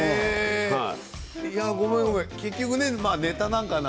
ごめん、ごめん結局ネタなんかな？